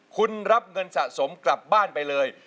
คุณรับเงินสะสมกลับบ้านไปเลย